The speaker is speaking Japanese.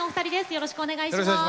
よろしくお願いします。